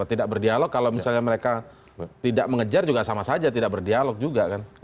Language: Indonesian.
tidak berdialog kalau misalnya mereka tidak mengejar juga sama saja tidak berdialog juga kan